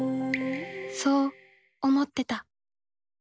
そう思ってた。